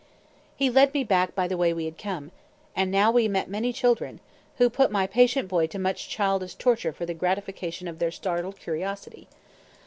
He led me back by the way we had come; and now we met many children, who put my patient boy to much childish torture for the gratification of their startled curiosity.